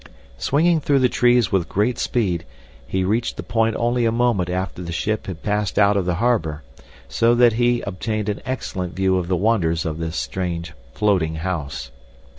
Swinging through the trees with great speed, he reached the point only a moment after the ship had passed out of the harbor, so that he obtained an excellent view of the wonders of this strange, floating house.